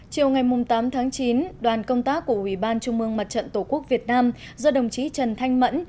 chiều ngày tám tháng chín đoàn công tác của ủy ban trung mương mặt trận tổ quốc việt nam do đồng chí trần thanh mẫn